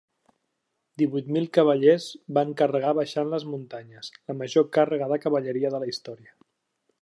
Divuit mil cavallers van carregar baixant les muntanyes, la major càrrega de cavalleria de la història.